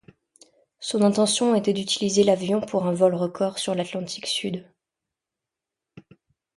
Son intention était d'utiliser l'avion pour un vol record sur l'Atlantique Sud.